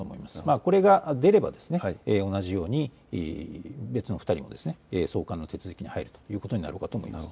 これが出れば同じように別の２人、送還の手続きに入るということになります。